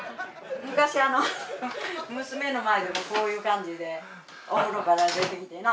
昔娘の前でもこういう感じでお風呂から出てきてな。